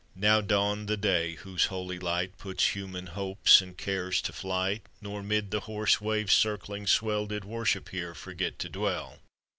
Now dawned the day whose holy light Puts human hopes and cares to flight, Nor mid the hoarse waves' circling swell Did Worship here forget to dwell.